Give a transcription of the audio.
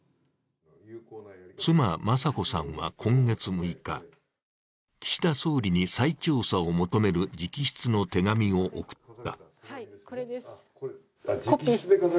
妻・雅子さんは今月６日、岸田総理に再調査を求める直筆の手紙を送った。